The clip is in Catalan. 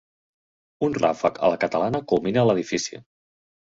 Un ràfec a la catalana culmina l'edifici.